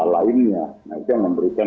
lainnya nah itu yang memberikan